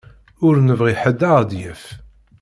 Ur nebɣi ḥedd ad ɣ-d-yaf.